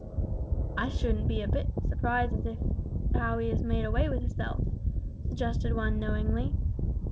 "I shouldn't be a bit surprised if as how he has made away with hisself," suggested one, knowingly.